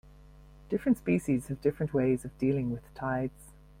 Different species have different ways of dealing with tides.